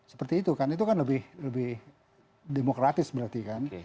seperti itu kan itu kan lebih demokratis berarti kan